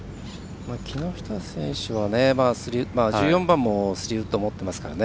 木下選手は１４番も３ウッドを持っていますから。